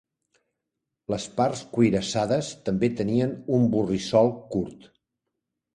Les parts cuirassades també tenien un borrissol curt.